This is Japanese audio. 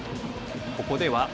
ここでは。